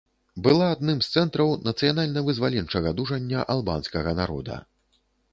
Была адным з цэнтраў нацыянальна-вызваленчага дужання албанскага народа.